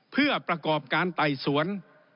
เพื่อประกอบการไต่สวน